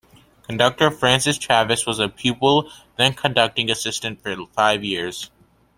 Conductor Francis Travis was a pupil, then conducting assistant, for five years.